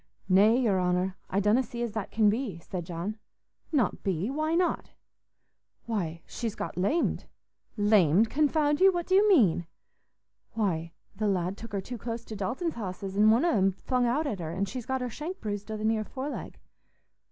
"Nay, your honour, I donna see as that can be," said John. "Not be? Why not?" "Why, she's got lamed." "Lamed, confound you! What do you mean?" "Why, th' lad took her too close to Dalton's hosses, an' one on 'em flung out at her, an' she's got her shank bruised o' the near foreleg."